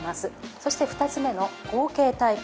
そして２つ目の後傾タイプ。